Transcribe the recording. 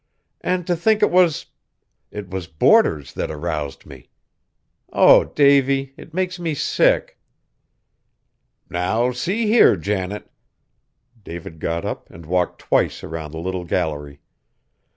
And to think it was it was boarders that aroused me! Oh! Davy, it makes me sick." "Now see here, Janet!" David got up and walked twice around the little gallery.